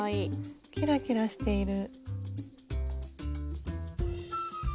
キラキラしている。